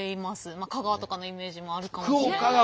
まあ香川とかのイメージもあるかもしれませんが。